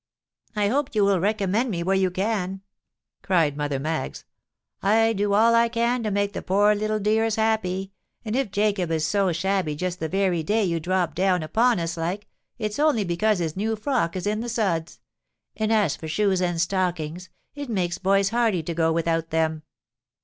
'—'I hope you will recommend me where you can,' cried Mother Maggs. 'I do all I can to make the poor little dears happy; and if Jacob is so shabby just the very day you drop down upon us, like, it's only because his new frock is in the suds; and as for shoes and stockings, it makes boys hardy to go without them.'